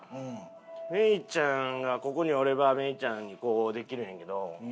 芽郁ちゃんがここにおれば芽郁ちゃんにこうできるんやけど。